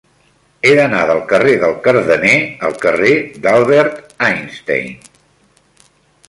He d'anar del carrer del Cardener al carrer d'Albert Einstein.